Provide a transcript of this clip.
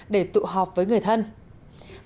để tụ họp với người trung quốc